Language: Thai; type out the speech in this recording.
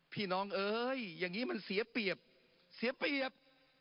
น้องเอ้ยอย่างนี้มันเสียเปรียบเสียเปรียบ